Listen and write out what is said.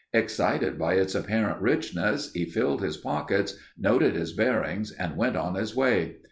Excited by its apparent richness he filled his pockets, noted his bearings and went on his way.